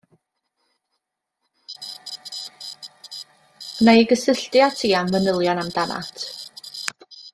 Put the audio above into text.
Wna i gysylltu â ti am fanylion amdanat.